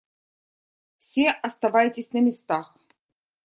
Все оставайтесь на местах.